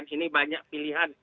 ini banyak pilihan